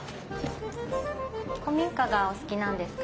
古民家がお好きなんですか？